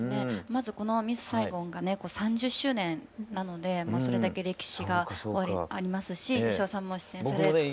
まずこの「ミス・サイゴン」がね３０周年なのでそれだけ歴史がありますし芳雄さんも出演されてたって。